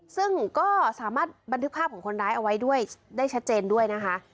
ซึ่งก็สามารถบันทึกภาพของคนร้ายเอาไว้ด้วยได้ชัดเจนด้วยนะคะ